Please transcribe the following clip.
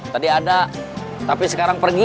tadi ada tapi sekarang pergi